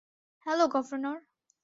Hello, governor.